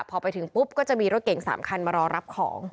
พอไปถึงปุ๊บก็จะมีรถเก่ง๓คันมารอรับของ